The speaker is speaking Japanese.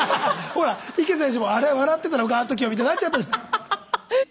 ほら池選手も「あれは笑ってたのかあの時は」みたいになっちゃったじゃない。